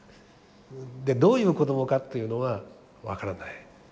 どういう子供かというのは分からない。